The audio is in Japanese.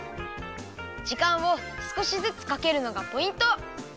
じかんをすこしずつかけるのがポイント。